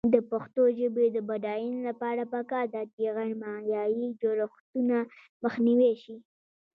د پښتو ژبې د بډاینې لپاره پکار ده چې غیرمعیاري جوړښتونه مخنیوی شي.